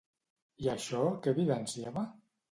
I això què evidenciava?